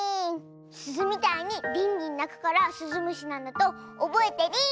すずみたいにリンリンなくからスズムシなんだとおぼえてリン！